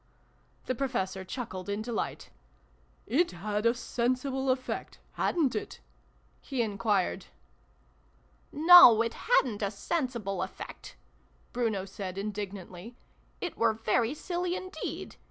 The Professor chuckled in delight. "It had a sensible effect Hadrit it ?" he enquired. " No, it hadn't a sensible effect !" Bruno said indignantly. " It were very silly indeed.